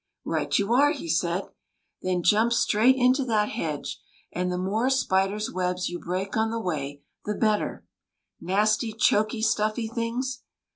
" Right you are," he said. " Then jump straight into that hedge ; and the more spiders' webs you break on the way, the better — nasty, choky, stuffy things